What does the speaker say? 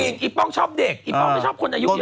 อีป้องชอบเด็กอีป้องไม่ชอบคนอายุเยอะ